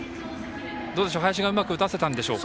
林がうまく打たせたんでしょうか？